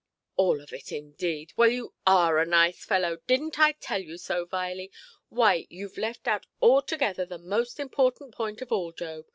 "All of it, indeed! Well, you are a nice fellow! Didnʼt I tell you so, Viley? Why, youʼve left out altogether the most important point of all, Job.